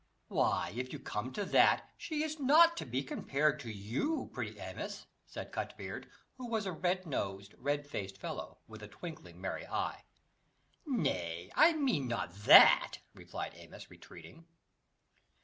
"Why, if you come to that, she is not to be compared to you, pretty Amice," said Cutbeard, who was a red nosed, red faced fellow, with a twinkling merry eye. "Nay, I meant not that," replied Amice, retreating.